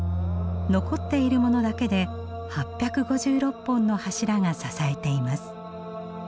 残っているものだけで８５６本の柱が支えています。